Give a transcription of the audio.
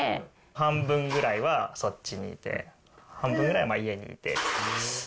半分ぐらいはそっちにいて、半分ぐらい家にいて。